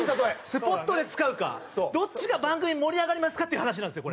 スポットで使うかどっちが番組盛り上がりますか？っていう話なんですよ